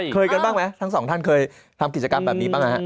กันบ้างไหมทั้งสองท่านเคยทำกิจกรรมแบบนี้บ้างนะฮะ